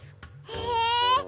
へえ！